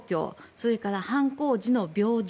それから犯行時の病状